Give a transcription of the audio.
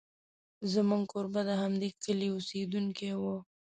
زموږ کوربه د همدې کلي اوسېدونکی و.